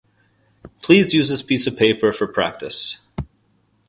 Please use this piece of paper for practice.